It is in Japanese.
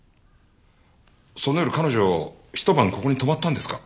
その夜彼女一晩ここに泊まったんですか？